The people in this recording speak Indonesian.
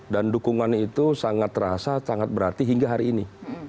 dan dukungan itu sangat terasa sangat berarti hingga hari ini